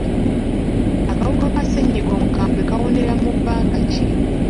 Akawuka ka ssenyiga omukambwe kawonera mu bbanga ki?